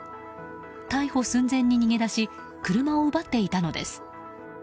逮捕寸前に逃げ出し車を奪っていたのです。